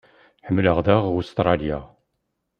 Ḥemmleɣ daɣ Ustṛalya.